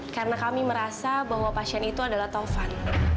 karena kami merasa bahwa pasien itu adalah tovan